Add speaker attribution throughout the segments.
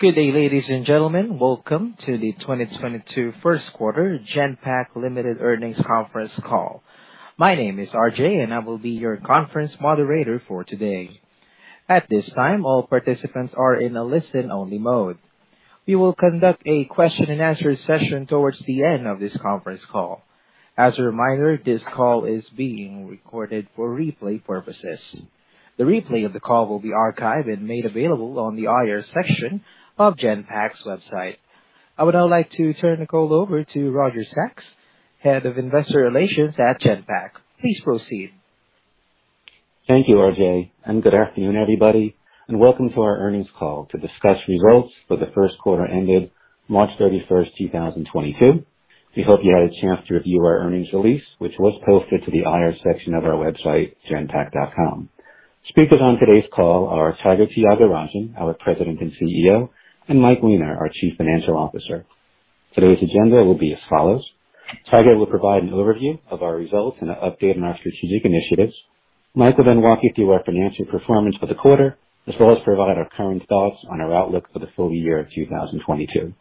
Speaker 1: Good day, ladies and gentlemen. Welcome to the 2022 first quarter Genpact Limited earnings conference call. My name is RJ, and I will be your conference moderator for today. At this time, all participants are in a listen-only mode. We will conduct a question and answer session towards the end of this conference call. As a reminder, this call is being recorded for replay purposes. The replay of the call will be archived and made available on the IR section of Genpact's website. I would now like to turn the call over to Roger Sachs, Head of Investor Relations at Genpact. Please proceed.
Speaker 2: Thank you, RJ, and good afternoon, everybody, and welcome to our earnings call to discuss results for the first quarter ended March 31st, 2022. We hope you had a chance to review our earnings release, which was posted to the IR section of our website, genpact.com. Speakers on today's call are Tiger Tyagarajan, our President and CEO, and Mike Weiner, our Chief Financial Officer. Today's agenda will be as follows. Tiger will provide an overview of our results and an update on our strategic initiatives. Mike will then walk you through our financial performance for the quarter, as well as provide our current thoughts on our outlook for the full year of 2022.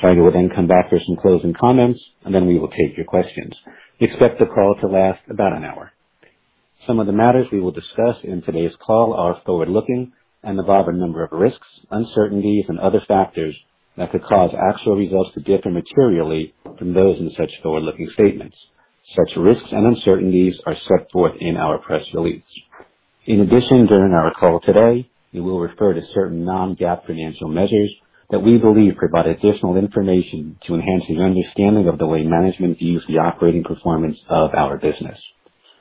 Speaker 2: Tiger will then come back for some closing comments and then we will take your questions. We expect the call to last about an hour. Some of the matters we will discuss in today's call are forward-looking and involve a number of risks, uncertainties, and other factors that could cause actual results to differ materially from those in such forward-looking statements. Such risks and uncertainties are set forth in our press release. In addition, during our call today, we will refer to certain non-GAAP financial measures that we believe provide additional information to enhance your understanding of the way management views the operating performance of our business.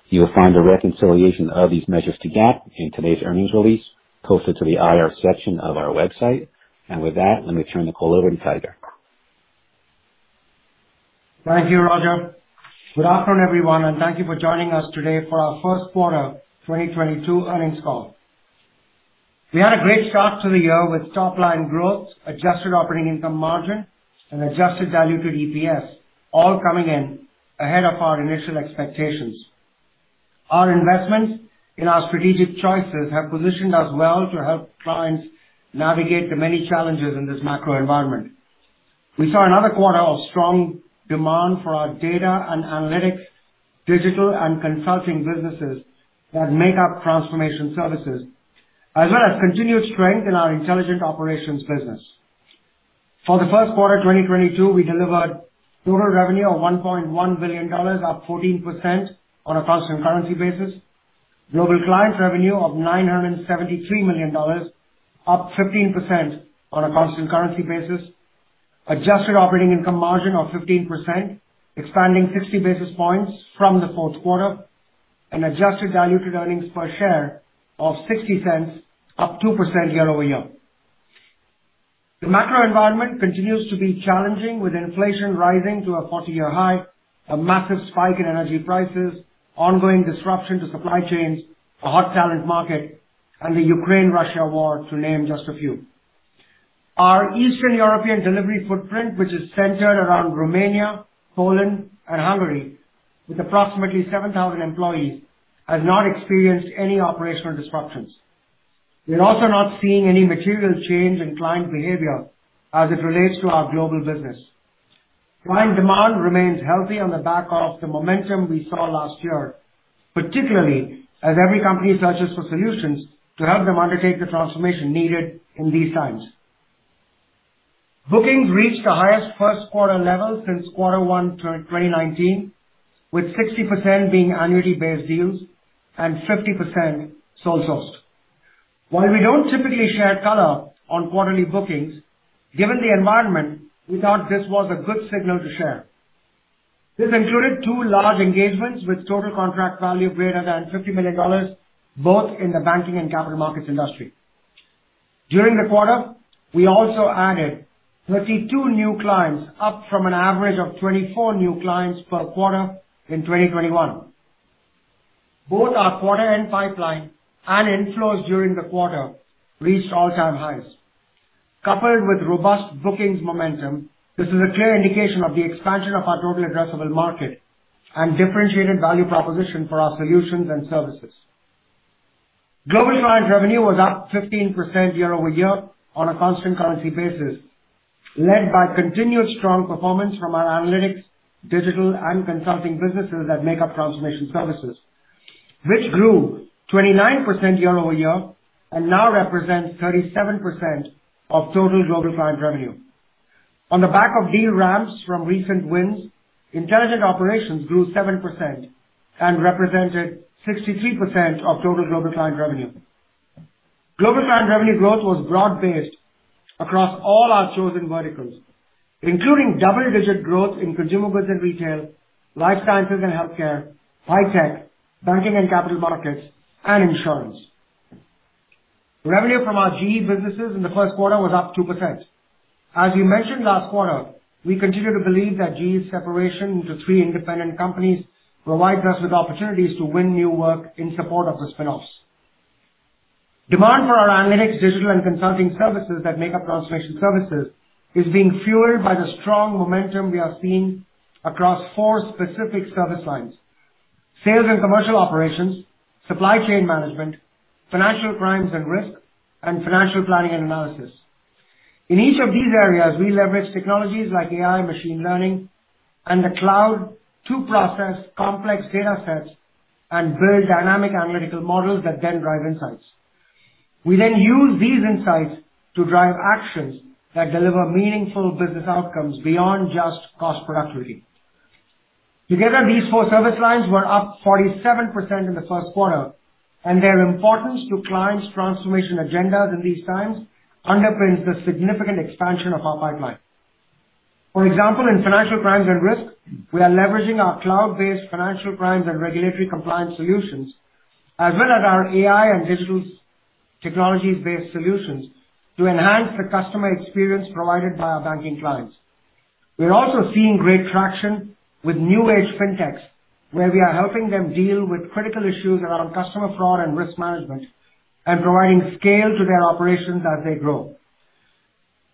Speaker 2: You will find a reconciliation of these measures to GAAP in today's earnings release posted to the IR section of our website. With that, let me turn the call over to Tiger.
Speaker 3: Thank you, Roger. Good afternoon, everyone, and thank you for joining us today for our first quarter 2022 earnings call. We had a great start to the year with top-line growth, adjusted operating income margin, and adjusted diluted EPS, all coming in ahead of our initial expectations. Our investments in our strategic choices have positioned us well to help clients navigate the many challenges in this macro environment. We saw another quarter of strong demand for our data and analytics, digital, and consulting businesses that make up transformation services, as well as continued strength in our intelligent operations business. For the first quarter 2022, we delivered total revenue of $1.1 billion, up 14% on a constant currency basis. Global clients revenue of $973 million, up 15% on a constant currency basis. Adjusted operating income margin of 15%, expanding 60 basis points from the fourth quarter. Adjusted diluted earnings per share of $0.60, up 2% year-over-year. The macro environment continues to be challenging, with inflation rising to a 40-year high, a massive spike in energy prices, ongoing disruption to supply chains, a hot talent market, and the Ukraine-Russia war to name just a few. Our Eastern European delivery footprint, which is centered around Romania, Poland, and Hungary, with approximately 7,000 employees, has not experienced any operational disruptions. We're also not seeing any material change in client behavior as it relates to our global business. Client demand remains healthy on the back of the momentum we saw last year, particularly as every company searches for solutions to help them undertake the transformation needed in these times. Bookings reached the highest first quarter level since quarter one 2019, with 60% being annually based deals and 50% sole sourced. While we don't typically share color on quarterly bookings, given the environment, we thought this was a good signal to share. This included two large engagements with total contract value greater than $50 million, both in the banking and capital markets industry. During the quarter, we also added 32 new clients, up from an average of 24 new clients per quarter in 2021. Both our quarter end pipeline and inflows during the quarter reached all-time highs. Coupled with robust bookings momentum, this is a clear indication of the expansion of our total addressable market and differentiated value proposition for our solutions and services. Global client revenue was up 15% year-over-year on a constant currency basis, led by continued strong performance from our analytics, digital, and consulting businesses that make up transformation services, which grew 29% year-over-year and now represents 37% of total global client revenue. On the back of deal ramps from recent wins, intelligent operations grew 7% and represented 63% of total global client revenue. Global client revenue growth was broad-based across all our chosen verticals, including double-digit growth in consumer goods and retail, life sciences and healthcare, high-tech, banking and capital markets, and insurance. Revenue from our GE businesses in the first quarter was up 2%. As we mentioned last quarter, we continue to believe that GE's separation into three independent companies provides us with opportunities to win new work in support of the spin-offs. Demand for our analytics, digital, and consulting services that make up transformation services is being fueled by the strong momentum we have seen across four specific service lines. Sales and commercial operations, supply chain management, financial crimes and risk, and financial planning and analysis. In each of these areas, we leverage technologies like AI and machine learning and the cloud to process complex data sets and build dynamic analytical models that then drive insights. We then use these insights to drive actions that deliver meaningful business outcomes beyond just cost productivity. Together, these four service lines were up 47% in the first quarter, and their importance to clients' transformation agendas in these times underpins the significant expansion of our pipeline. For example, in financial crimes and risk, we are leveraging our cloud-based financial crimes and regulatory compliance solutions, as well as our AI and digital technologies-based solutions to enhance the customer experience provided by our banking clients. We're also seeing great traction with New Age Fintechs, where we are helping them deal with critical issues around customer fraud and risk management and providing scale to their operations as they grow.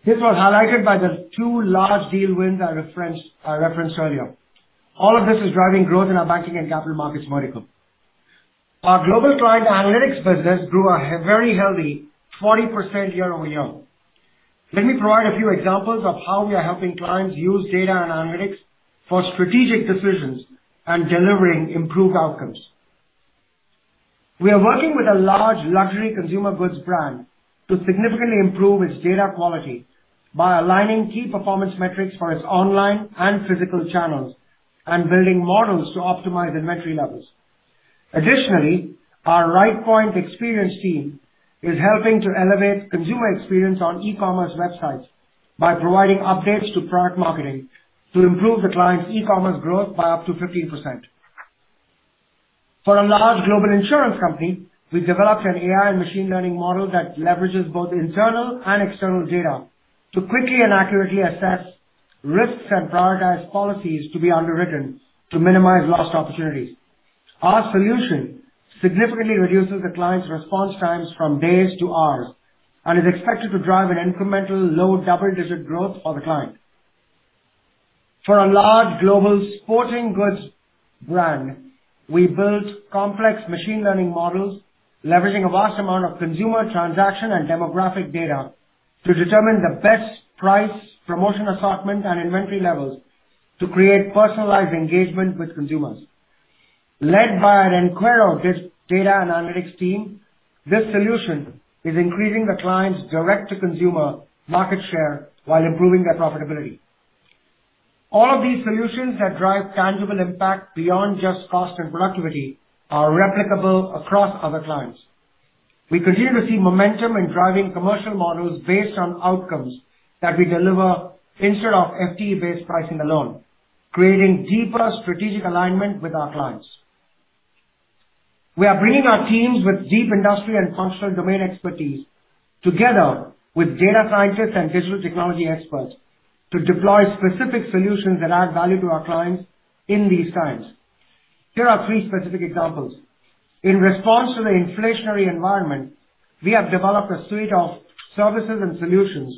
Speaker 3: This was highlighted by the two large deal wins I referenced earlier. All of this is driving growth in our banking and capital markets vertical. Our global client analytics business grew a very healthy 40% year-over-year. Let me provide a few examples of how we are helping clients use data and analytics for strategic decisions and delivering improved outcomes. We are working with a large luxury consumer goods brand to significantly improve its data quality by aligning key performance metrics for its online and physical channels and building models to optimize inventory levels. Additionally, our Rightpoint experience team is helping to elevate consumer experience on e-commerce websites by providing updates to product marketing to improve the client's e-commerce growth by up to 15%. For a large global insurance company, we developed an AI and machine learning model that leverages both internal and external data to quickly and accurately assess risks and prioritize policies to be underwritten to minimize lost opportunities. Our solution significantly reduces the client's response times from days to hours and is expected to drive an incremental low double-digit growth for the client. For a large global sporting goods brand, we built complex machine learning models leveraging a vast amount of consumer transaction and demographic data to determine the best price, promotion assortment, and inventory levels to create personalized engagement with consumers. Led by our Enquero data and analytics team, this solution is increasing the client's direct-to-consumer market share while improving their profitability. All of these solutions that drive tangible impact beyond just cost and productivity are replicable across other clients. We continue to see momentum in driving commercial models based on outcomes that we deliver instead of FTE-based pricing alone, creating deeper strategic alignment with our clients. We are bringing our teams with deep industry and functional domain expertise together with data scientists and digital technology experts to deploy specific solutions that add value to our clients in these times. Here are three specific examples. In response to the inflationary environment, we have developed a suite of services and solutions,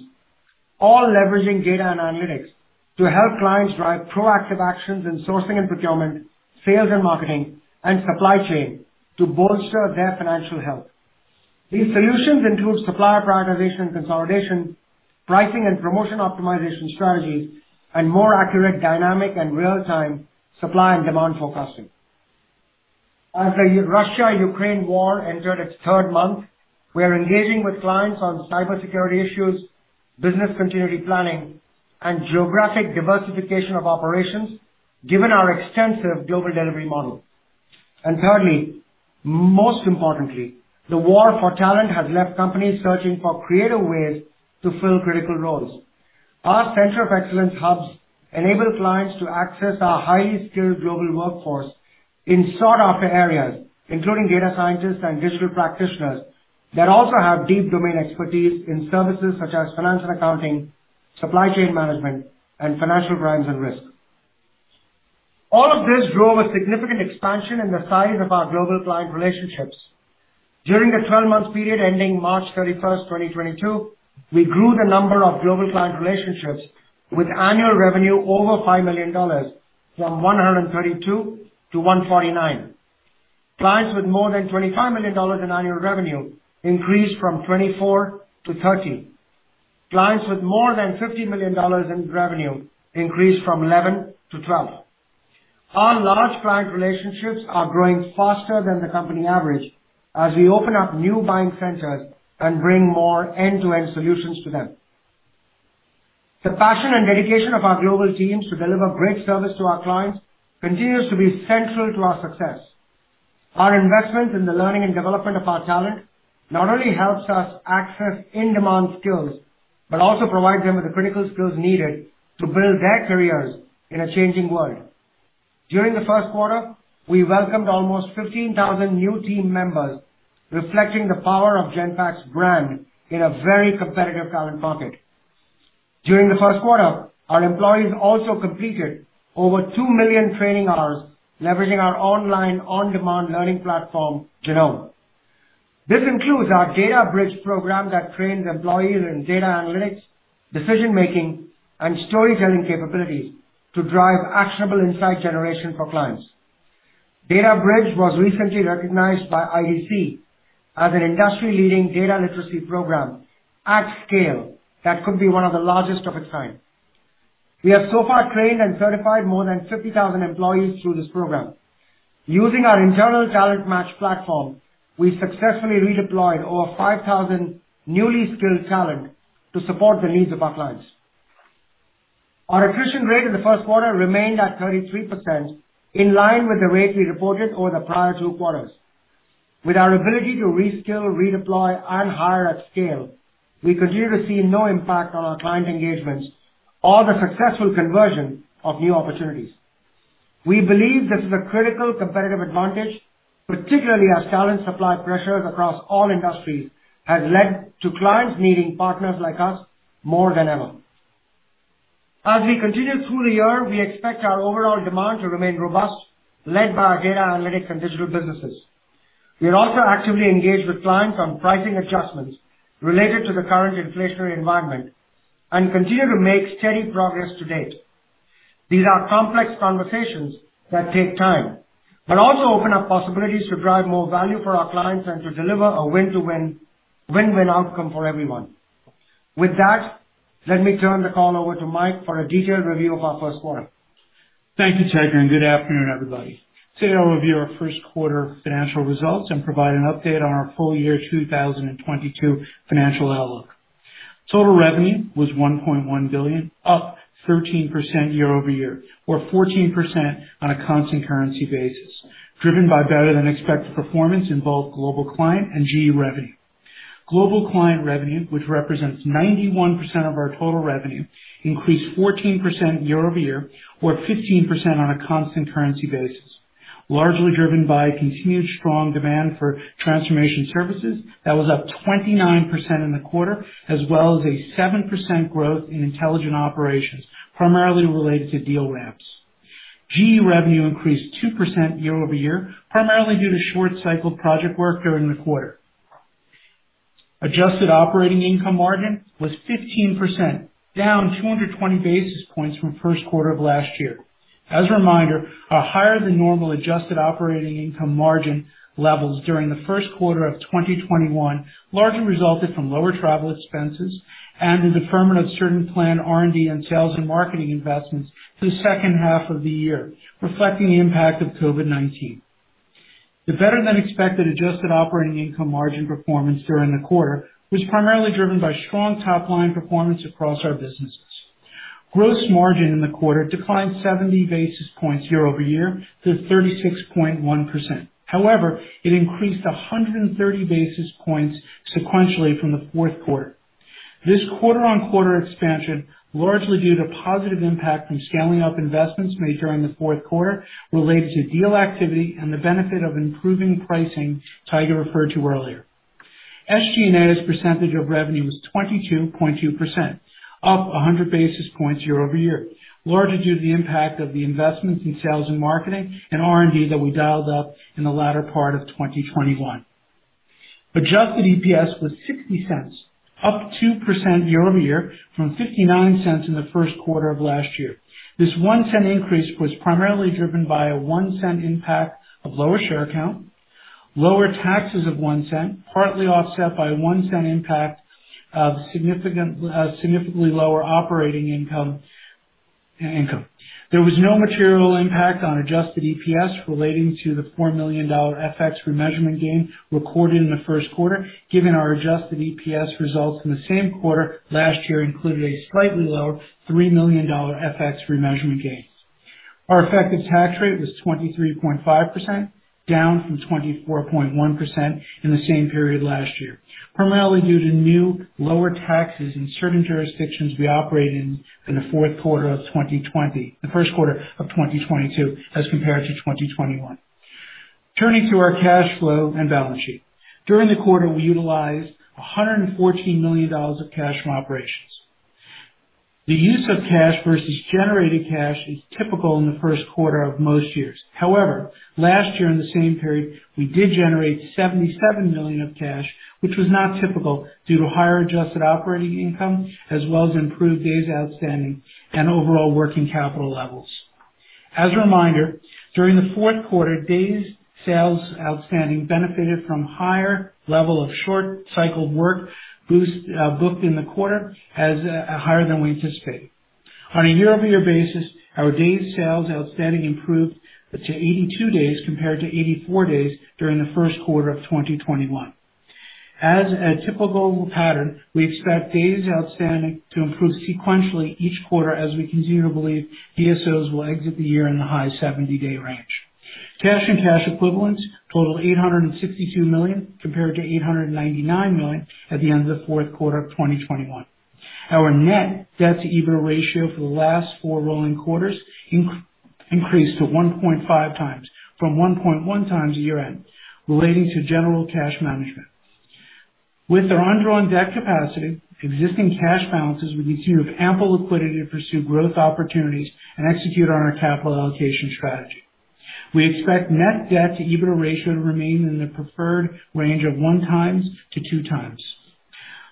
Speaker 3: all leveraging data and analytics to help clients drive proactive actions in sourcing and procurement, sales and marketing, and supply chain to bolster their financial health. These solutions include supplier prioritization, consolidation, pricing and promotion optimization strategies, and more accurate dynamic and real-time supply and demand forecasting. As the Russia-Ukraine war entered its third month, we are engaging with clients on cybersecurity issues, business continuity planning, and geographic diversification of operations given our extensive global delivery model. Thirdly, most importantly, the war for talent has left companies searching for creative ways to fill critical roles. Our Center of Excellence hubs enable clients to access our highly skilled global workforce in sought-after areas, including data scientists and digital practitioners that also have deep domain expertise in services such as finance and accounting, supply chain management, and financial crimes and risk. All of this drove a significant expansion in the size of our global client relationships. During the twelve-month period ending March 31st, 2022, we grew the number of global client relationships with annual revenue over $5 million from 132 to 149. Clients with more than $25 million in annual revenue increased from 24 to 30. Clients with more than $50 million in revenue increased from 11 to 12. Our large client relationships are growing faster than the company average as we open up new buying centers and bring more end-to-end solutions to them. The passion and dedication of our global teams to deliver great service to our clients continues to be central to our success. Our investments in the learning and development of our talent not only helps us access in-demand skills, but also provide them with the critical skills needed to build their careers in a changing world. During the first quarter, we welcomed almost 15,000 new team members, reflecting the power of Genpact's brand in a very competitive talent market. During the first quarter, our employees also completed over 2 million training hours leveraging our online on-demand learning platform, Genome. This includes our DataBridge program that trains employees in data analytics, decision making, and storytelling capabilities to drive actionable insight generation for clients. DataBridge was recently recognized by IDC as an industry-leading data literacy program at scale that could be one of the largest of its kind. We have so far trained and certified more than 50,000 employees through this program. Using our internal talent match platform, we successfully redeployed over 5,000 newly skilled talent to support the needs of our clients. Our attrition rate in the first quarter remained at 33%, in line with the rate we reported over the prior two quarters. With our ability to reskill, redeploy, and hire at scale, we continue to see no impact on our client engagements or the successful conversion of new opportunities. We believe this is a critical competitive advantage, particularly as talent supply pressures across all industries has led to clients needing partners like us more than ever. As we continue through the year, we expect our overall demand to remain robust, led by our data analytics and digital businesses. We are also actively engaged with clients on pricing adjustments related to the current inflationary environment and continue to make steady progress to date. These are complex conversations that take time, but also open up possibilities to drive more value for our clients and to deliver a win-win outcome for everyone. With that, let me turn the call over to Mike for a detailed review of our first quarter.
Speaker 4: Thank you, Tiger, and good afternoon, everybody. Today I'll review our first quarter financial results and provide an update on our full year 2022 financial outlook. Total revenue was $1.1 billion, up 13% year-over-year, or 14% on a constant currency basis, driven by better than expected performance in both Global Client and GE Revenue. Global Client revenue, which represents 91% of our total revenue, increased 14% year-over-year, or 15% on a constant currency basis, largely driven by continued strong demand for transformation services that was up 29% in the quarter, as well as a 7% growth in intelligent operations, primarily related to deal ramps. GE Revenue increased 2% year-over-year, primarily due to short cycle project work during the quarter. Adjusted operating income margin was 15%, down 220 basis points from first quarter of last year. As a reminder, our higher than normal adjusted operating income margin levels during the first quarter of 2021 largely resulted from lower travel expenses and the deferment of certain planned R&D and sales and marketing investments to the second half of the year, reflecting the impact of COVID-19. The better than expected adjusted operating income margin performance during the quarter was primarily driven by strong top-line performance across our businesses. Gross margin in the quarter declined 70 basis points year-over-year to 36.1%. However, it increased 130 basis points sequentially from the fourth quarter. This quarter-on-quarter expansion largely due to positive impact from scaling up investments made during the fourth quarter related to deal activity and the benefit of improving pricing Tiger referred to earlier. SG&A as a percentage of revenue was 22.2%, up 100 basis points year-over-year, largely due to the impact of the investments in sales and marketing and R&D that we dialed up in the latter part of 2021. Adjusted EPS was $0.60, up 2% year-over-year from $0.59 in the first quarter of last year. This one cent increase was primarily driven by a one cent impact of lower share count, lower taxes of one cent, partly offset by a one cent impact of significantly lower operating income and income. There was no material impact on adjusted EPS relating to the $4 million FX remeasurement gain recorded in the first quarter, given our adjusted EPS results in the same quarter last year included a slightly lower $3 million FX remeasurement gains. Our effective tax rate was 23.5%, down from 24.1% in the same period last year, primarily due to new lower taxes in certain jurisdictions we operate in the first quarter of 2022 as compared to 2021. Turning to our cash flow and balance sheet. During the quarter, we utilized $114 million of cash from operations. The use of cash versus generating cash is typical in the first quarter of most years. However, last year in the same period, we did generate $77 million of cash, which was not typical due to higher adjusted operating income as well as improved days outstanding and overall working capital levels. As a reminder, during the fourth quarter, days sales outstanding benefited from higher level of short-cycled work booked in the quarter higher than we anticipate. On a year-over-year basis, our days sales outstanding improved to 82 days compared to 84 days during the first quarter of 2021. As a typical pattern, we expect days outstanding to improve sequentially each quarter as we continue to believe DSOs will exit the year in the high 70-day range. Cash and cash equivalents total $862 million, compared to $899 million at the end of the fourth quarter of 2021. Our net debt-to-EBITDA ratio for the last four rolling quarters increased to 1.5x from 1.1x year-end, relating to general cash management. With our undrawn debt capacity, existing cash balances, we continue to have ample liquidity to pursue growth opportunities and execute on our capital allocation strategy. We expect net debt-to-EBITDA ratio to remain in the preferred range of 1x-2x.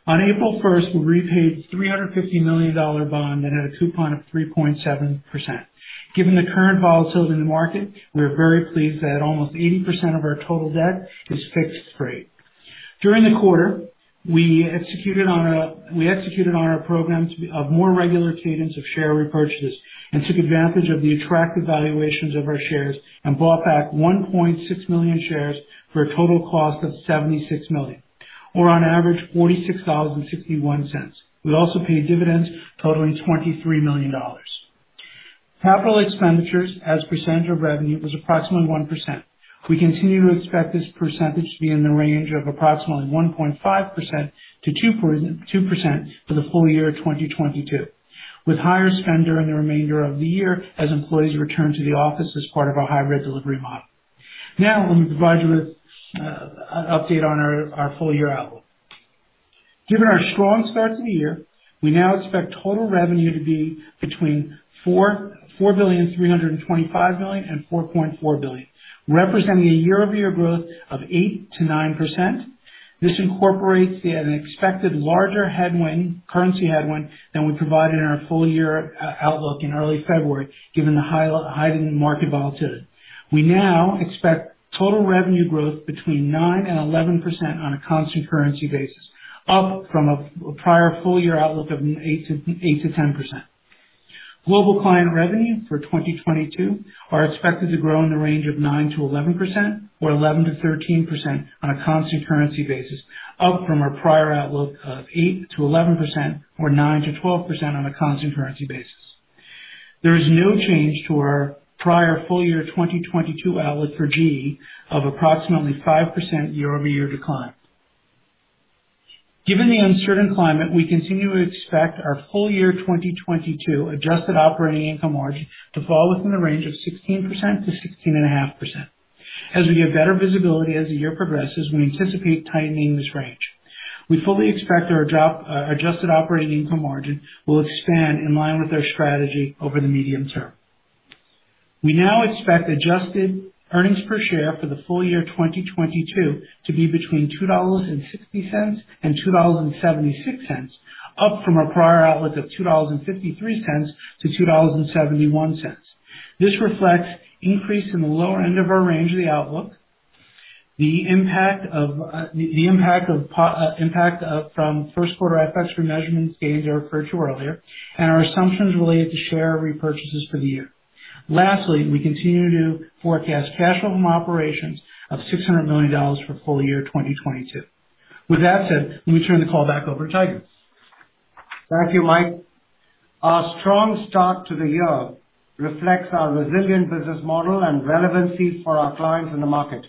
Speaker 4: On April 1st, we repaid $350 million-dollar bond that had a coupon of 3.7%. Given the current volatility in the market, we are very pleased that almost 80% of our total debt is fixed-rate. During the quarter, we executed on our programs of more regular cadence of share repurchases and took advantage of the attractive valuations of our shares and bought back 1.6 million shares for a total cost of $76 million, or on average $46.61. We also paid dividends totaling $23 million. Capital expenditures as a percent of revenue was approximately 1%. We continue to expect this percentage to be in the range of approximately 1.5% to 2.2% for the full year 2022, with higher spend during the remainder of the year as employees return to the office as part of our hybrid delivery model. Now, let me provide you with an update on our full year outlook. Given our strong start to the year, we now expect total revenue to be between $4.325 billion-$4.4 billion, representing a year-over-year growth of 8%-9%. This incorporates an expected larger headwind, currency headwind than we provided in our full year outlook in early February, given the heightened market volatility. We now expect total revenue growth between 9%-11% on a constant currency basis, up from a prior full year outlook of 8%-10%. Global client revenue for 2022 are expected to grow in the range of 9%-11% or 11%-13% on a constant currency basis, up from our prior outlook of 8%-11% or 9%-12% on a constant currency basis. There is no change to our prior full year 2022 outlook for G of approximately 5% year-over-year decline. Given the uncertain climate, we continue to expect our full year 2022 adjusted operating income margin to fall within the range of 16% to 16.5%. As we get better visibility as the year progresses, we anticipate tightening this range. We fully expect our adjusted operating income margin will expand in line with our strategy over the medium term. We now expect adjusted earnings per share for the full year 2022 to be between $2.60 and $2.76, up from our prior outlook of $2.53 to $2.71. This reflects increase in the lower end of our range of the outlook, the impact from first quarter FX re-measurements stated or referred to earlier, and our assumptions related to share repurchases for the year. Lastly, we continue to forecast cash from operations of $600 million for full year 2022. With that said, let me turn the call back over to Tiger.
Speaker 3: Thank you, Mike. Our strong start to the year reflects our resilient business model and relevancy for our clients in the market.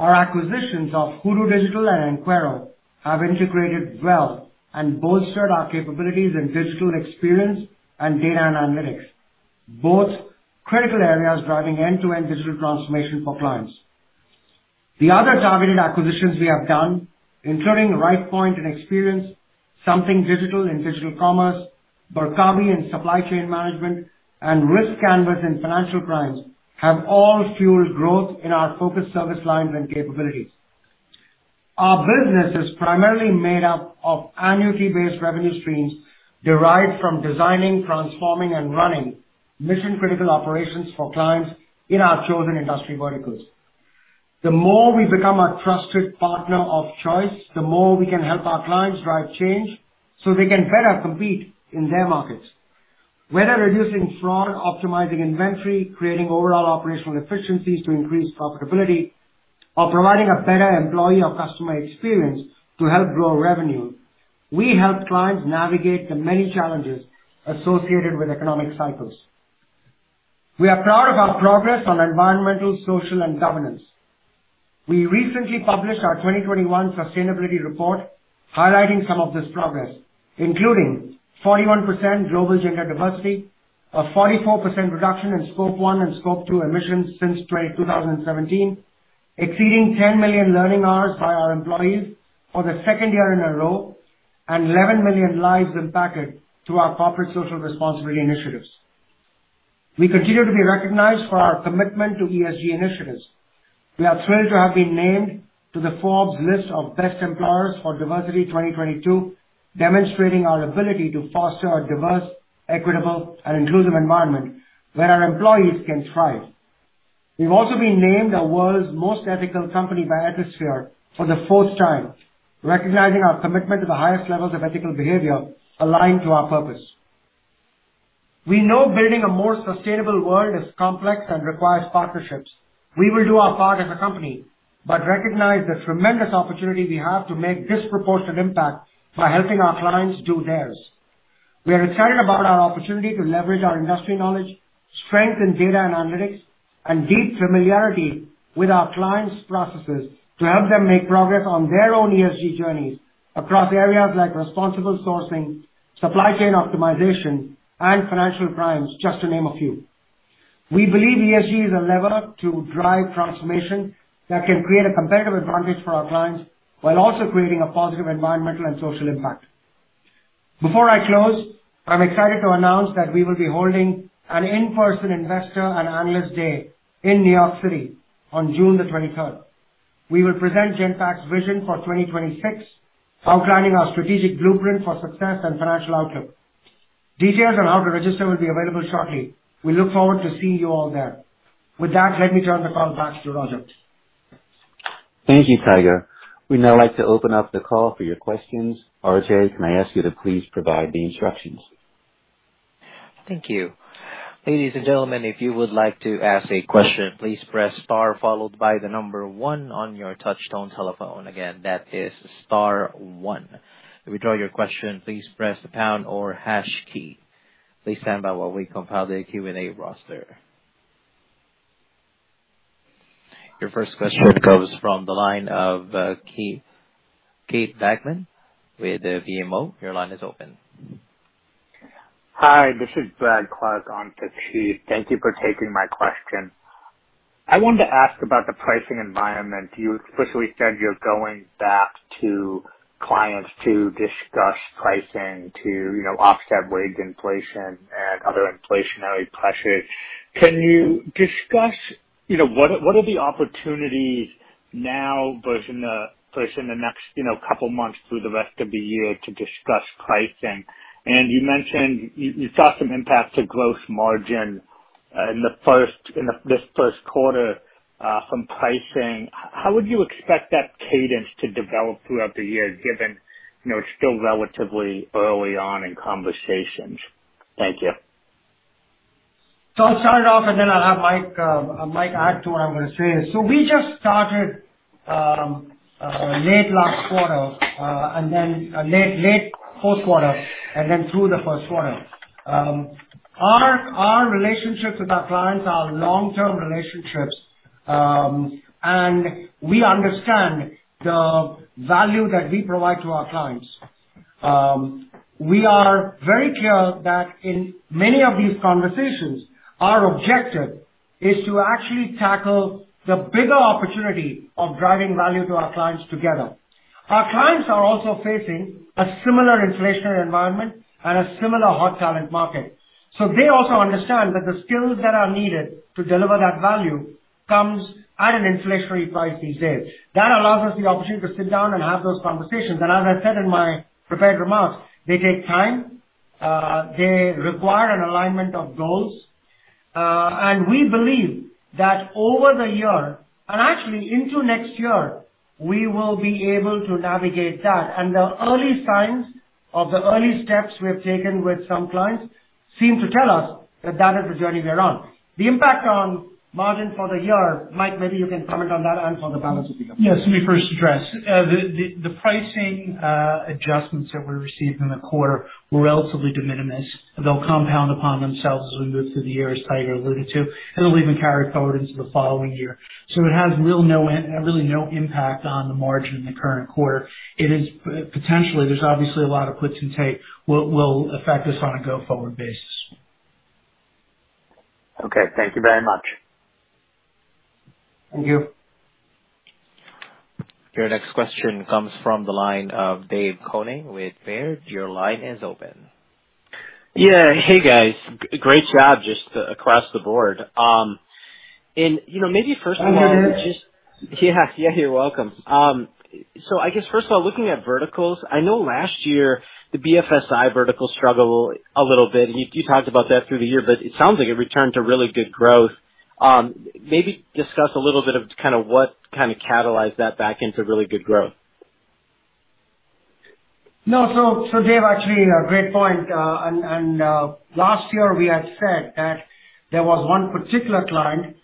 Speaker 3: Our acquisitions of Hoodoo Digital and Enquero have integrated well and bolstered our capabilities in digital experience and data analytics, both critical areas driving end-to-end digital transformation for clients. The other targeted acquisitions we have done, including Rightpoint, Something Digital in digital commerce, Barkawi in supply chain management, and riskCanvas in financial crimes, have all fueled growth in our focused service lines and capabilities. Our business is primarily made up of annuity-based revenue streams derived from designing, transforming, and running mission-critical operations for clients in our chosen industry verticals. The more we become a trusted partner of choice, the more we can help our clients drive change so they can better compete in their markets. Whether reducing fraud, optimizing inventory, creating overall operational efficiencies to increase profitability, or providing a better employee or customer experience to help grow revenue, we help clients navigate the many challenges associated with economic cycles. We are proud of our progress on environmental, social, and governance. We recently published our 2021 sustainability report highlighting some of this progress, including 41% global gender diversity, a 44% reduction in scope one and scope two emissions since 2017, exceeding 10 million learning hours by our employees for the second year in a row, and 11 million lives impacted through our corporate social responsibility initiatives. We continue to be recognized for our commitment to ESG initiatives. We are thrilled to have been named to the Forbes list of Best Employers for Diversity 2022, demonstrating our ability to foster a diverse, equitable, and inclusive environment where our employees can thrive. We've also been named the World's Most Ethical Company by Ethisphere for the fourth time, recognizing our commitment to the highest levels of ethical behavior aligned to our purpose. We know building a more sustainable world is complex and requires partnerships. We will do our part as a company, but recognize the tremendous opportunity we have to make disproportionate impact by helping our clients do theirs. We are excited about our opportunity to leverage our industry knowledge, strength in data and analytics, and deep familiarity with our clients' processes to help them make progress on their own ESG journeys across areas like responsible sourcing, supply chain optimization, and financial crimes, just to name a few. We believe ESG is a lever to drive transformation that can create a competitive advantage for our clients while also creating a positive environmental and social impact. Before I close, I'm excited to announce that we will be holding an in-person investor and analyst day in New York City on June the 23rd. We will present Genpact's vision for 2026, outlining our strategic blueprint for success and financial outlook. Details on how to register will be available shortly. We look forward to seeing you all there. With that, let me turn the call back to Roger.
Speaker 2: Thank you, Tiger. We'd now like to open up the call for your questions. RJ, can I ask you to please provide the instructions?
Speaker 1: Thank you. Ladies and gentlemen, if you would like to ask a question, please press star followed by the number one on your touchtone telephone. Again, that is star one. To withdraw your question, please press the pound or hash key. Please stand by while we compile the Q&A roster. Your first question comes from the line of Keith Bachman with BMO. Your line is open.
Speaker 5: Hi, this is Bradley Clark on for Keith. Thank you for taking my question. I wanted to ask about the pricing environment. You explicitly said you're going back to clients to discuss pricing to, you know, offset wage inflation and other inflationary pressures. Can you discuss, you know, what are the opportunities now versus in the next, you know, couple months through the rest of the year to discuss pricing? You mentioned you saw some impact to gross margin in this first quarter from pricing. How would you expect that cadence to develop throughout the year, given, you know, it's still relatively early on in conversations? Thank you.
Speaker 3: I'll start it off and then I'll have Mike add to what I'm gonna say. We just started late last quarter, and then late fourth quarter and then through the first quarter. Our relationships with our clients are long-term relationships and we understand the value that we provide to our clients. We are very clear that in many of these conversations, our objective is to actually tackle the bigger opportunity of driving value to our clients together. Our clients are also facing a similar inflationary environment and a similar hot talent market. They also understand that the skills that are needed to deliver that value comes at an inflationary price these days. That allows us the opportunity to sit down and have those conversations. As I said in my prepared remarks, they take time, they require an alignment of goals. We believe that over the year and actually into next year, we will be able to navigate that. The early signs of the early steps we have taken with some clients seem to tell us that that is the journey we are on. The impact on margin for the year, Mike, maybe you can comment on that and for the balance of the year.
Speaker 4: Yes. Let me first address the pricing adjustments that we received in the quarter were relatively de minimis. They'll compound upon themselves as we move through the year, as Tiger alluded to. It'll even carry forward into the following year. It has really no impact on the margin in the current quarter. It is potentially, there's obviously a lot of give and take will affect us on a go-forward basis.
Speaker 5: Okay. Thank you very much.
Speaker 3: Thank you.
Speaker 1: Your next question comes from the line of David Koning with Baird. Your line is open.
Speaker 6: Yeah. Hey, guys. Great job just across the board. You know, maybe first of all, just.
Speaker 3: Hey, Dave.
Speaker 6: Yeah. Yeah, you're welcome. I guess, first of all, looking at verticals, I know last year the BFSI vertical struggled a little bit and you talked about that through the year, but it sounds like it returned to really good growth. Maybe discuss a little bit of kind of what kind of catalyzed that back into really good growth.
Speaker 3: No, Dave, actually a great point. Last year we had said that there was one particular client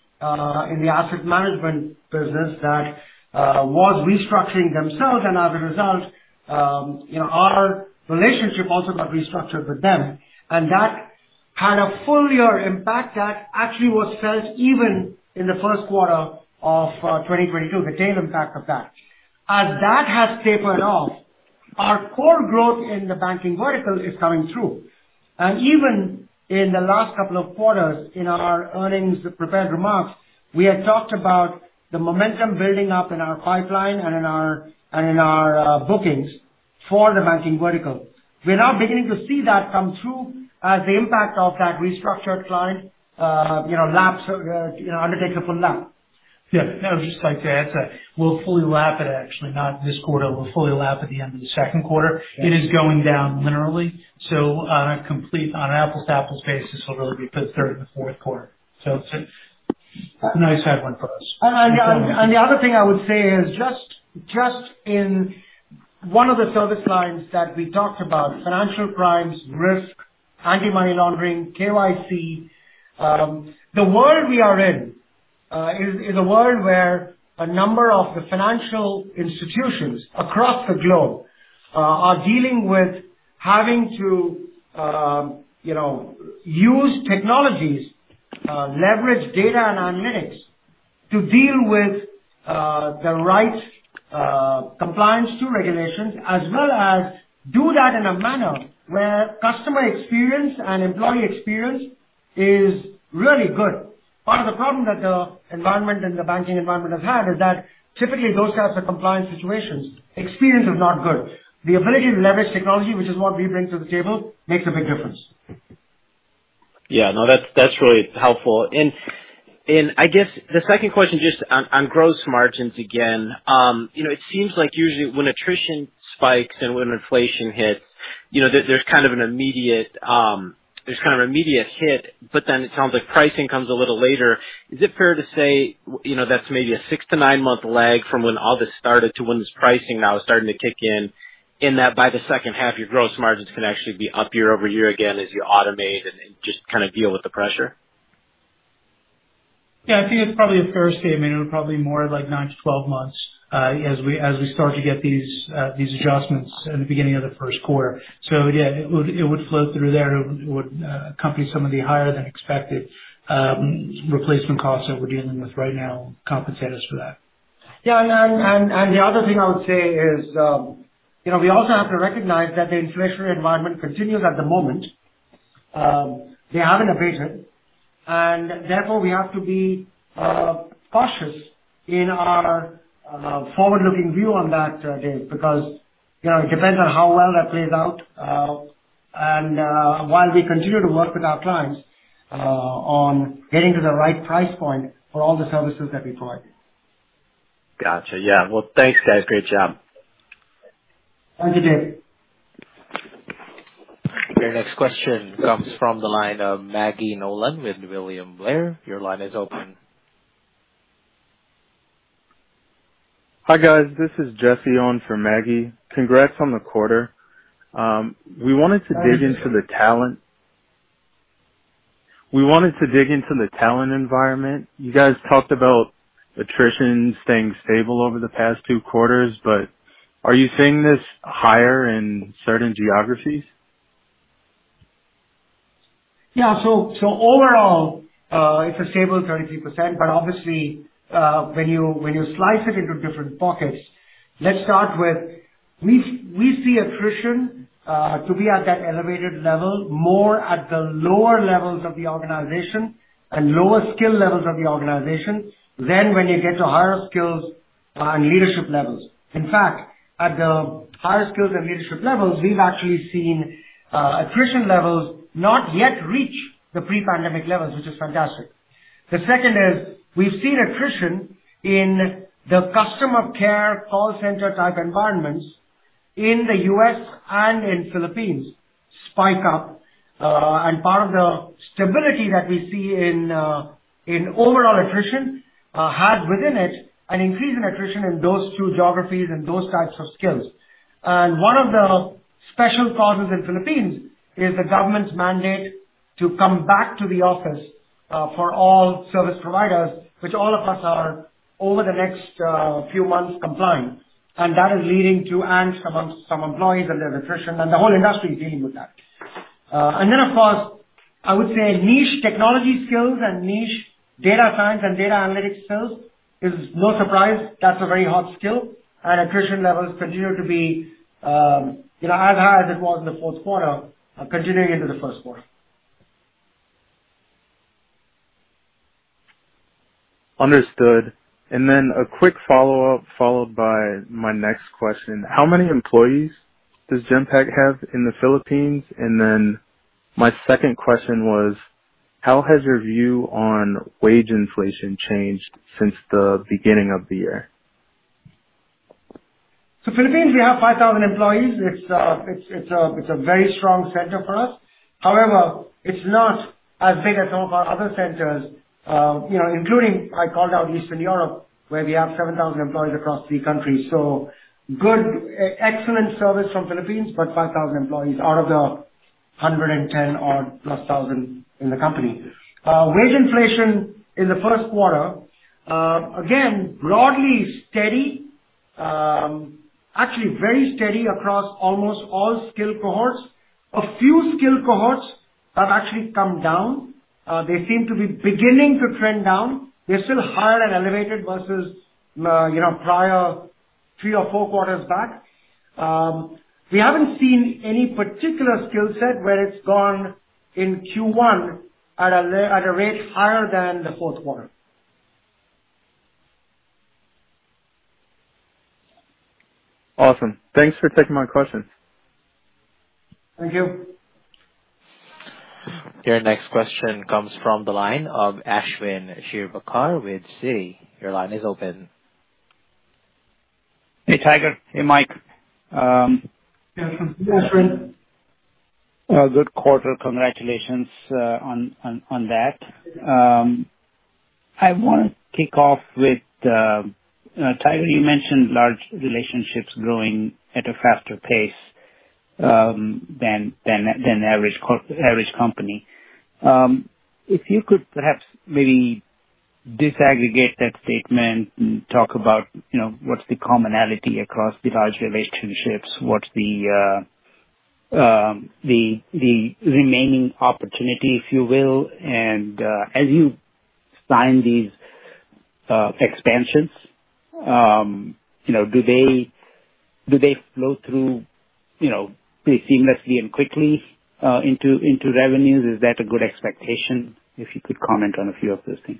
Speaker 3: in the asset management business that was restructuring themselves. As a result, you know, our relationship also got restructured with them. That had a full year impact that actually was felt even in the first quarter of 2022, the tail impact of that. As that has tapered off, our core growth in the banking vertical is coming through. Even in the last couple of quarters, in our earnings prepared remarks, we had talked about the momentum building up in our pipeline and in our bookings for the banking vertical. We're now beginning to see that come through as the impact of that restructured client, you know, lapse.
Speaker 4: Yeah. No, I'd just like to add to that. We'll fully lap it actually, not this quarter. We'll fully lap at the end of the second quarter.
Speaker 3: Yes.
Speaker 4: It is going down linearly, so on an apples-to-apples basis, it'll really be the third and the fourth quarter. It's a nice headwind for us.
Speaker 3: The other thing I would say is just in one of the service lines that we talked about, financial crimes, risk, anti-money laundering, KYC, the world we are in is a world where a number of the financial institutions across the globe are dealing with having to, you know, use technologies, leverage data and analytics to deal with the right compliance to regulations, as well as do that in a manner where customer experience and employee experience is really good. Part of the problem that the environment and the banking environment has had is that typically those types of compliance situations, experience is not good. The ability to leverage technology, which is what we bring to the table, makes a big difference.
Speaker 6: Yeah. No, that's really helpful. I guess the second question just on gross margins again. You know, it seems like usually when attrition spikes and when inflation hits, you know, there's kind of an immediate hit, but then it sounds like pricing comes a little later. Is it fair to say, you know, that's maybe a six to nine month lag from when all this started to when this pricing now is starting to kick in that by the second half, your gross margins can actually be up year-over-year again as you automate and just kinda deal with the pressure?
Speaker 4: Yeah. I think it's probably a fair statement. It would probably more like nine to 12 months, as we start to get these adjustments in the beginning of the first quarter. Yeah, it would flow through there. It would accompany some of the higher than expected replacement costs that we're dealing with right now, compensate us for that.
Speaker 3: The other thing I would say is, you know, we also have to recognize that the inflationary environment continues at the moment. They haven't abated. Therefore, we have to be cautious in our forward-looking view on that, Dave, because you know, it depends on how well that plays out. While we continue to work with our clients on getting to the right price point for all the services that we provide.
Speaker 6: Gotcha. Yeah. Well, thanks, guys. Great job.
Speaker 3: Thank you, Dave.
Speaker 1: Your next question comes from the line of Maggie Nolan with William Blair. Your line is open.
Speaker 7: Hi, guys. This is Jesse on for Maggie. Congrats on the quarter. We wanted to dig into the talent environment. You guys talked about attrition staying stable over the past two quarters, but are you seeing this higher in certain geographies?
Speaker 3: Overall, it's a stable 33%, but obviously, when you slice it into different pockets, we see attrition to be at that elevated level, more at the lower levels of the organization and lower skill levels of the organization than when you get to higher skills on leadership levels. In fact, at the higher skills and leadership levels, we've actually seen attrition levels not yet reach the pre-pandemic levels, which is fantastic. The second is, we've seen attrition in the customer care call center type environments in the U.S. and in Philippines spike up. Part of the stability that we see in overall attrition has within it an increase in attrition in those two geographies and those types of skills. One of the special problems in the Philippines is the government's mandate to come back to the office for all service providers, which all of us are over the next few months compliant. That is leading to angst among some employees and the attrition, and the whole industry is dealing with that. Of course, I would say niche technology skills and niche data science and data analytics skills is no surprise. That's a very hot skill, and attrition levels continue to be, you know, as high as it was in the fourth quarter, continuing into the first quarter.
Speaker 7: Understood. A quick follow-up, followed by my next question. How many employees does Genpact have in the Philippines? My second question was, how has your view on wage inflation changed since the beginning of the year?
Speaker 3: Philippines, we have 5,000 employees. It's a very strong center for us. However, it's not as big as some of our other centers, including, I called out Eastern Europe, where we have 7,000 employees across three countries. Good, excellent service from Philippines, but 5,000 employees out of the 110,000+ in the company. Wage inflation in the first quarter, again, broadly steady. Actually very steady across almost all skill cohorts. A few skill cohorts have actually come down. They seem to be beginning to trend down. They're still higher and elevated versus prior three or four quarters back. We haven't seen any particular skill set where it's gone in Q1 at a rate higher than the fourth quarter.
Speaker 7: Awesome. Thanks for taking my questions.
Speaker 3: Thank you.
Speaker 1: Your next question comes from the line of Ashwin Shirvaikar with Citi. Your line is open.
Speaker 8: Hey, Tiger. Hey, Mike.
Speaker 3: Welcome.
Speaker 4: Ashwin.
Speaker 8: Good quarter. Congratulations on that. I wanna kick off with Tiger, you mentioned large relationships growing at a faster pace than average company. If you could perhaps maybe disaggregate that statement and talk about, you know, what's the commonality across the large relationships, what's the remaining opportunity if you will and as you sign these expansions, you know, do they flow through pretty seamlessly and quickly into revenues? Is that a good expectation? If you could comment on a few of those things.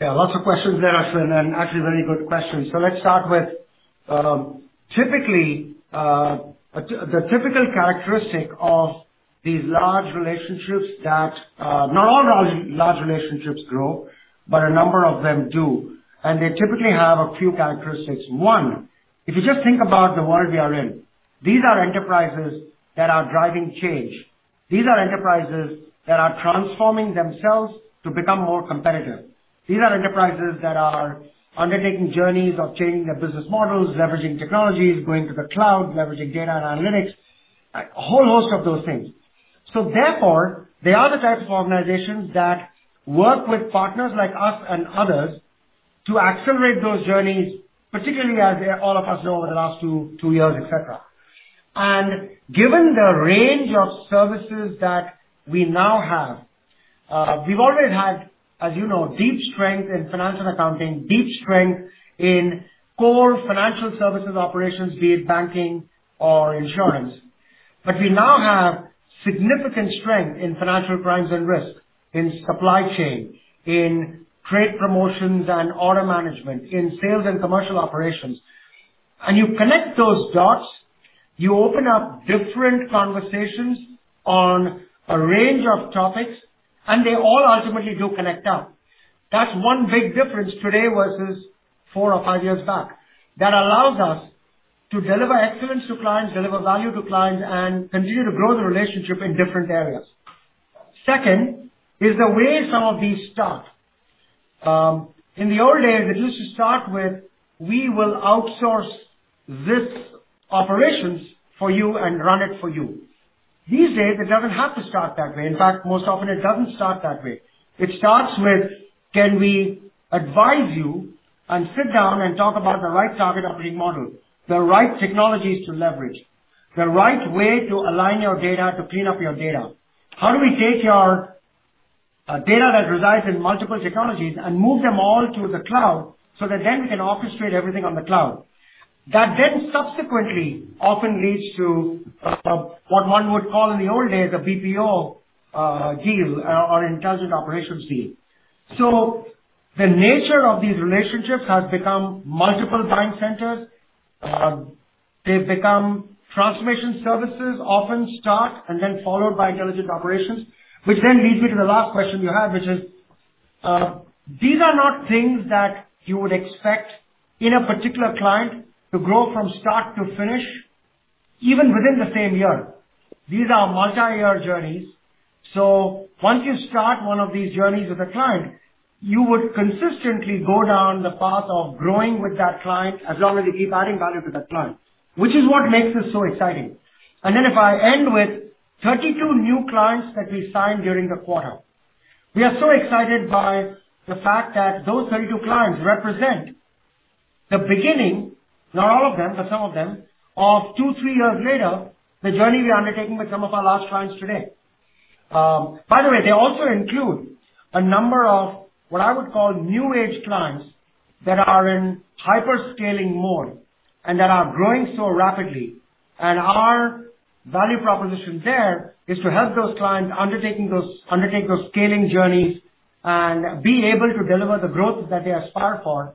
Speaker 3: Yeah, lots of questions there, Ashwin, and actually very good questions. Let's start with typically the typical characteristic of these large relationships that not all large relationships grow, but a number of them do. They typically have a few characteristics. One, if you just think about the world we are in, these are enterprises that are driving change. These are enterprises that are transforming themselves to become more competitive. These are enterprises that are undertaking journeys of changing their business models, leveraging technologies, going to the cloud, leveraging data and analytics, a whole host of those things. Therefore, they are the types of organizations that work with partners like us and others to accelerate those journeys, particularly as all of us know, over the last two years, et cetera. Given the range of services that we now have, we've already had, as you know, deep strength in financial accounting, deep strength in core financial services operations, be it banking or insurance. We now have significant strength in financial crimes and risk, in supply chain, in trade promotions and order management, in sales and commercial operations. You connect those dots, you open up different conversations on a range of topics, and they all ultimately do connect up. That's one big difference today versus four or five years back. That allows us to deliver excellence to clients, deliver value to clients, and continue to grow the relationship in different areas. Second is the way some of these start. In the old days, it used to start with, "We will outsource this operations for you and run it for you." These days, it doesn't have to start that way. In fact, most often it doesn't start that way. It starts with, "Can we advise you and sit down and talk about the right target operating model, the right technologies to leverage, the right way to align your data, to clean up your data? How do we take your data that resides in multiple technologies and move them all to the cloud so that then we can orchestrate everything on the cloud?" That then subsequently often leads to what one would call in the old days, a BPO deal or intelligent operations deal. The nature of these relationships has become multiple time centers. They've become transformation services often start and then followed by intelligent operations. Which then leads me to the last question you had, which is, these are not things that you would expect in a particular client to grow from start to finish, even within the same year. These are multi-year journeys. Once you start one of these journeys with a client, you would consistently go down the path of growing with that client as long as you keep adding value to that client, which is what makes this so exciting. If I end with 32 new clients that we signed during the quarter. We are so excited by the fact that those 32 clients represent the beginning, not all of them, but some of them, of two, three years later, the journey we are undertaking with some of our large clients today. By the way, they also include a number of what I would call New Age clients that are in hyper-scaling mode and that are growing so rapidly. Our value proposition there is to help those clients undertake those scaling journeys and be able to deliver the growth that they aspire for.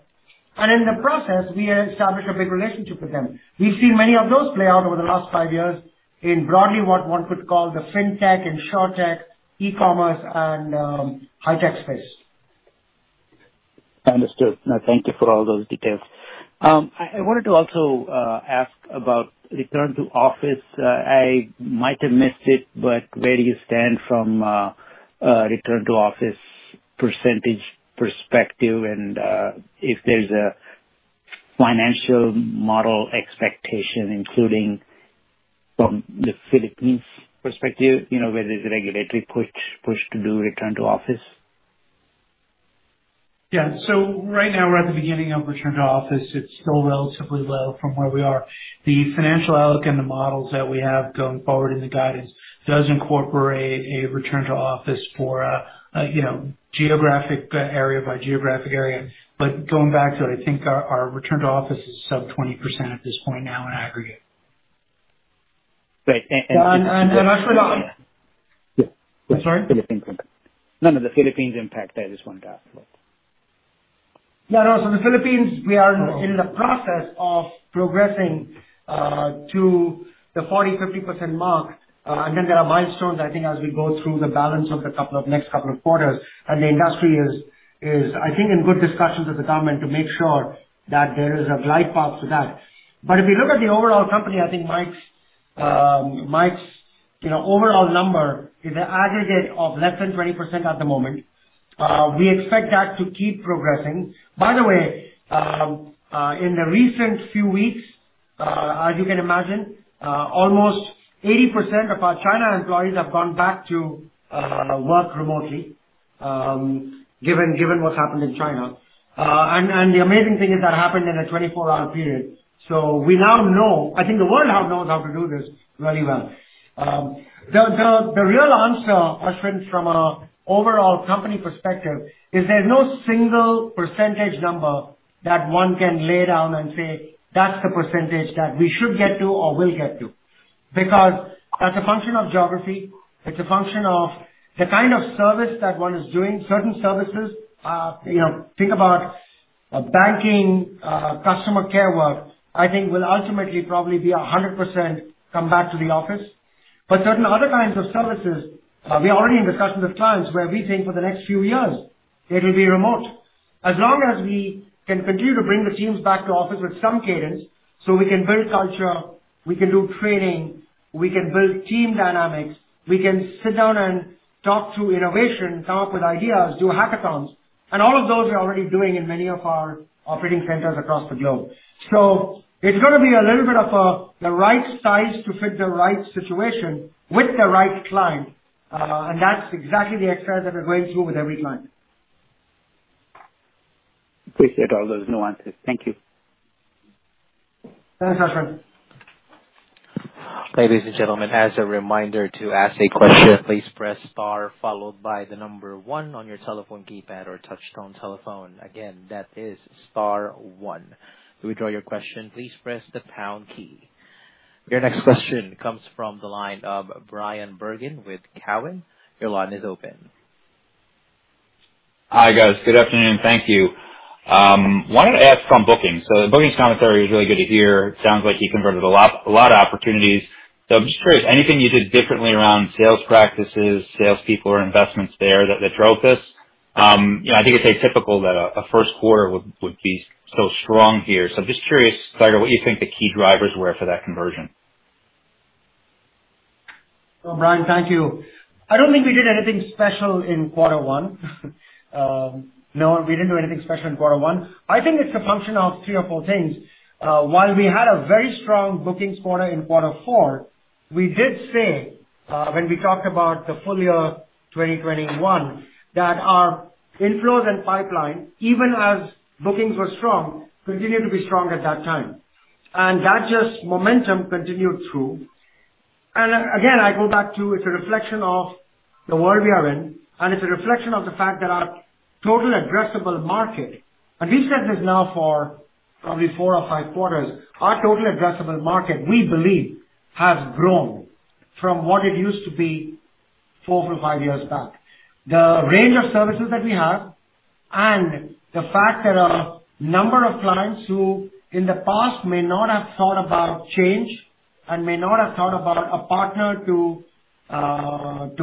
Speaker 3: In the process, we establish a big relationship with them. We've seen many of those play out over the last five years in broadly what one could call the fintech, insurtech, e-commerce and high-tech space.
Speaker 8: Understood. No, thank you for all those details. I wanted to also ask about return to office. I might have missed it, but where do you stand from a return to office percentage perspective and if there's a financial model expectation, including from the Philippines perspective, you know, where there's a regulatory push to do return to office?
Speaker 4: Yeah. Right now we're at the beginning of return to office. It's still relatively low from where we are. The financial outlook and the models that we have going forward in the guidance does incorporate a return to office for, you know, geographic area by geographic area. Going back to it, I think our return to office is sub 20% at this point now in aggregate.
Speaker 8: Great.
Speaker 3: Ashwin
Speaker 8: Yeah.
Speaker 3: I'm sorry.
Speaker 8: Philippines impact. None of the Philippines impact there, just wanna clarify.
Speaker 3: No, no. The Philippines, we are in the process of progressing to the 40-50% mark. Then there are milestones, I think, as we go through the balance of the next couple of quarters. The industry is, I think, in good discussions with the government to make sure that there is a glide path to that. If you look at the overall company, I think Mike's, you know, overall number is an aggregate of less than 20% at the moment. We expect that to keep progressing. By the way, in the recent few weeks, as you can imagine, almost 80% of our China employees have gone back to work remotely. Given what's happened in China. The amazing thing is that happened in a 24-hour period. We now know, I think the world now knows how to do this very well. The real answer, Ashwin, from an overall company perspective is there's no single percentage number that one can lay down and say, "That's the percentage that we should get to or will get to." Because that's a function of geography, it's a function of the kind of service that one is doing. Certain services, you know, think about banking, customer care work, I think will ultimately probably be 100% come back to the office. But certain other kinds of services, we are already in discussions with clients where we think for the next few years it'll be remote. As long as we can continue to bring the teams back to office with some cadence, so we can build culture, we can do training, we can build team dynamics, we can sit down and talk through innovation, come up with ideas, do hackathons, and all of those we're already doing in many of our operating centers across the globe. It's gonna be a little bit of the right size to fit the right situation with the right client. That's exactly the exercise that we're going through with every client.
Speaker 8: Appreciate all those nuances. Thank you.
Speaker 3: Thanks, Ashwin.
Speaker 1: Ladies and gentlemen, as a reminder, to ask a question, please press star followed by the number one on your telephone keypad or touchtone telephone. Again, that is star one. To withdraw your question, please press the pound key. Your next question comes from the line of Bryan Bergin with Cowen. Your line is open.
Speaker 9: Hi, guys. Good afternoon. Thank you. Wanted to ask on bookings. The bookings commentary is really good to hear. Sounds like you converted a lot of opportunities. I'm just curious, anything you did differently around sales practices, salespeople, or investments there that drove this? You know, I think it's atypical that a first quarter would be so strong here. Just curious, sort of what you think the key drivers were for that conversion.
Speaker 3: Bryan, thank you. I don't think we did anything special in quarter one. I think it's a function of three or four things. While we had a very strong bookings quarter in quarter four, we did say, when we talked about the full year 2021, that our inflows and pipeline, even as bookings were strong, continued to be strong at that time. That just momentum continued through. Again, I go back to, it's a reflection of the world we are in, and it's a reflection of the fact that our total addressable market, we've said this now for probably four or five quarters, has grown from what it used to be four to five years back. The range of services that we have and the fact that a number of clients who in the past may not have thought about change and may not have thought about a partner to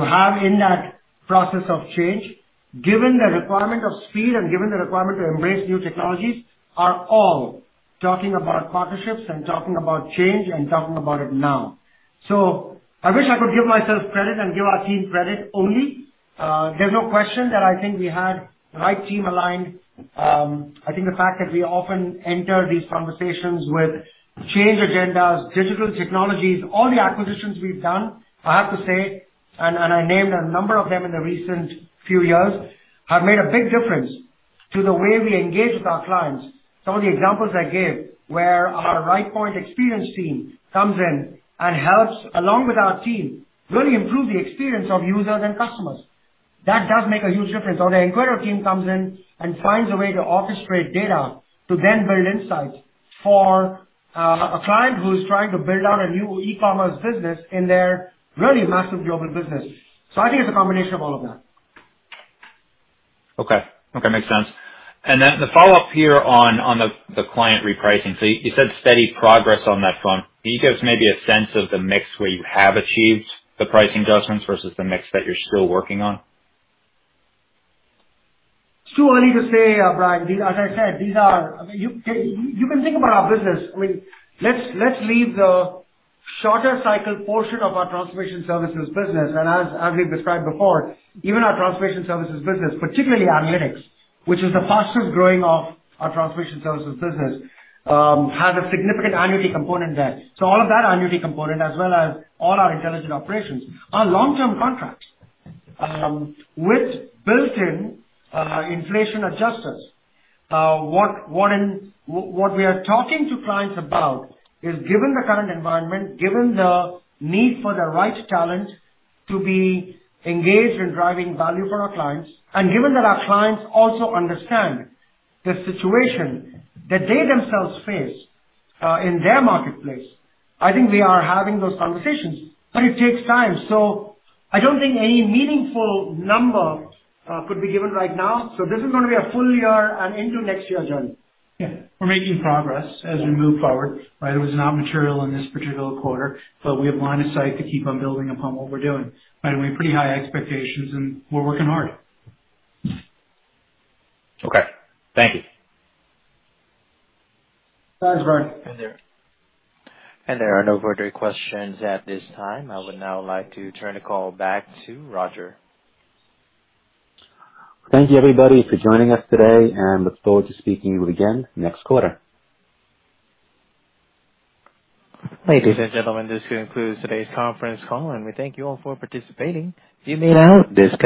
Speaker 3: have in that process of change. Given the requirement of speed and given the requirement to embrace new technologies, are all talking about partnerships and talking about change and talking about it now. I wish I could give myself credit and give our team credit only. There's no question that I think we had the right team aligned. I think the fact that we often enter these conversations with change agendas, digital technologies, all the acquisitions we've done, I have to say, and I named a number of them in the recent few years, have made a big difference to the way we engage with our clients. Some of the examples I gave, where our Rightpoint experience team comes in and helps, along with our team, really improve the experience of users and customers. That does make a huge difference. The Enquero team comes in and finds a way to orchestrate data to then build insights for a client who's trying to build out a new e-commerce business in their really massive global business. I think it's a combination of all of that.
Speaker 9: Okay. Makes sense. The follow-up here on the client repricing. You said steady progress on that front. Can you give us maybe a sense of the mix where you have achieved the pricing adjustments versus the mix that you're still working on?
Speaker 3: It's too early to say, Bryan. As I said, these are. I mean, you can think about our business. I mean, let's leave the shorter cycle portion of our transformation services business. As we've described before, even our transformation services business, particularly analytics, which is the fastest growing of our transformation services business, has a significant annuity component there. All of that annuity component, as well as all our intelligent operations, are long-term contracts with built-in inflation adjusters. What we are talking to clients about is, given the current environment, given the need for the right talent to be engaged in driving value for our clients, and given that our clients also understand the situation that they themselves face in their marketplace, I think we are having those conversations, but it takes time. I don't think any meaningful number could be given right now. This is gonna be a full year and into next year journey.
Speaker 4: Yeah. We're making progress as we move forward, right? It was not material in this particular quarter, but we have line of sight to keep on building upon what we're doing, right? We have pretty high expectations, and we're working hard.
Speaker 9: Okay. Thank you.
Speaker 3: Thanks, Bryan.
Speaker 1: There are no further questions at this time. I would now like to turn the call back to Roger.
Speaker 2: Thank you, everybody, for joining us today, and look forward to speaking with you again next quarter.
Speaker 1: Ladies and gentlemen, this concludes today's conference call, and we thank you all for participating.